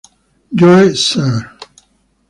Joe Sr.